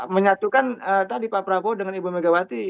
menyatukan tadi pak prabowo dengan ibu megawati